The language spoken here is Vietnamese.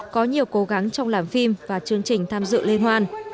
có nhiều cố gắng trong làm phim và chương trình tham dự liên hoan